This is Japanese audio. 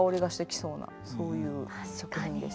そういう作品です。